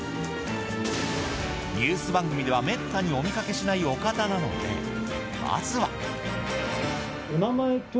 ニュース番組ではめったにお見かけしないお方なのでまずは。